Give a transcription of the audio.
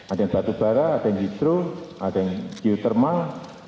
ada yang batubara ada yang hidro ada yang geothermal